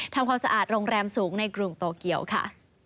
ทำความสะอาดโรงแรมสูงในกรุงโตเกียวค่ะ